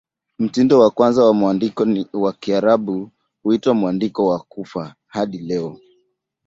Mtindo wa kwanza wa mwandiko wa Kiarabu huitwa "Mwandiko wa Kufa" hadi leo.